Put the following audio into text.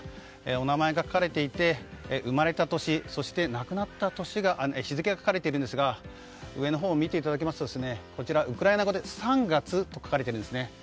お名前が書かれていて生まれた年そして、亡くなった日付が書かれているんですが上のほうを見ていただきますとウクライナ語で３月と書かれているんですね。